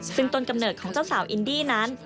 ซึ่งต้นกำเนิดของเจ้าสาวอินดี้นั้น